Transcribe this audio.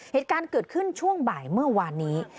เหตุการณ์เกิดขึ้นช่วงบ่ายเมื่อวานนี้